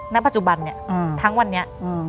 ณปัจจุบันเนี่ยทั้งวันนี้